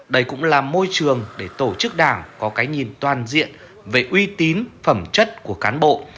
đây cũng là môi trường để tổ chức đảng có cái nhìn toàn diện về uy tín phẩm chất của cán bộ